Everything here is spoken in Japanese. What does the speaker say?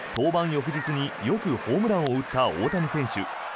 翌日によくホームランを打った大谷選手。